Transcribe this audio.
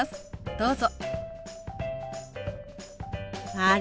どうぞ。